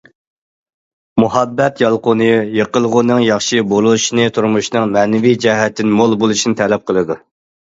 مۇھەببەت يالقۇنى يېقىلغۇنىڭ ياخشى بولۇشىنى- تۇرمۇشنىڭ مەنىۋى جەھەتتىن مول بولۇشىنى تەلەپ قىلىدۇ.